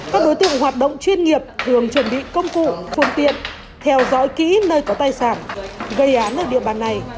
các đối tượng hoạt động chuyên nghiệp thường chuẩn bị công cụ phương tiện theo dõi kỹ nơi có tài sản gây án ở địa bàn này